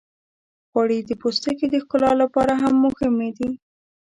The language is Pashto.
غوړې د پوستکي د ښکلا لپاره هم مهمې دي.